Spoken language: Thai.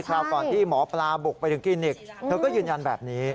คราวก่อนที่หมอปลาบุกไปถึงคลินิกเธอก็ยืนยันแบบนี้